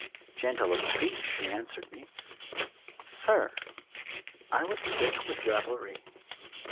Gentle of speech she answered me: "Sir, I was sick with revelry.